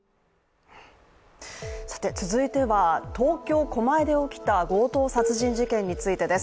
続いては、東京・狛江で起きた強盗殺人事件についてです。